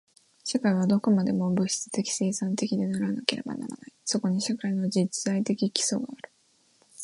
社会はどこまでも物質的生産的でなければならない。そこに社会の実在的基礎がある。